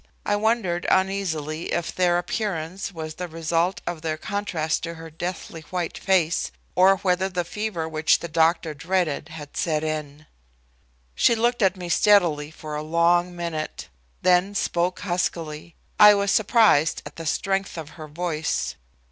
I wondered uneasily if their appearance was the result of their contrast to her deathly white face or whether the fever which the doctor dreaded had set in. She looked at me steadily for a long minute, then spoke huskily I was surprised at the strength of her voice.